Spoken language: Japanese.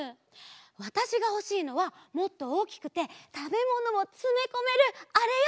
わたしがほしいのはもっとおおきくてたべものもつめこめるあれよ！